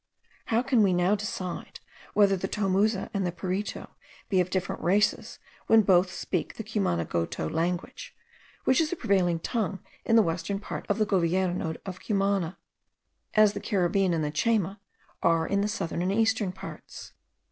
How can we now decide, whether the Tomuza and Piritu be of different races, when both speak the Cumanagoto language, which is the prevailing tongue in the western part of the Govierno of Cumana; as the Caribbean and the Chayma are in the southern and eastern parts.